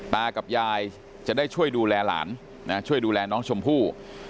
ตากับยายจะได้ช่วยดูแลหลานช่วยดูแลน้องชมพู่